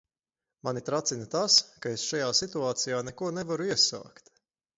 Mani tracina tas, ka es šajā situācijā neko nevaru iesākt.